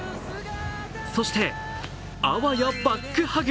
そして、あわやバックハグ。